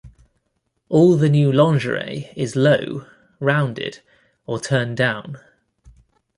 All the new lingerie is low, rounded, or turned down.